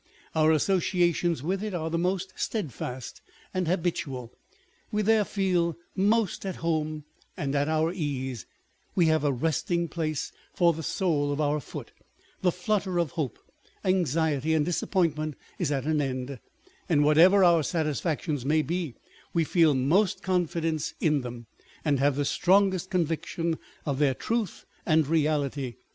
Our associations with it are the most stedfast and habitual, we there feel most at home and at our ease, we have a resting place for the sole of our foot, the flutter of hope, anxiety, and dis appointment is at an end, and whatever our satisfactions may be, we feel most confidence in them, and have the strongest conviction of their truth and reality.